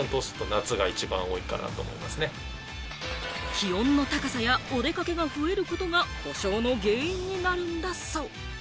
気温の高さや、お出かけが増えることが故障の原因になるんだそう。